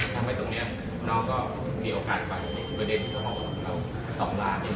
ทำไมตรงนี้น้องก็เสียโอกาสฝ่ายไปประเด็จของเรา๒ล้าน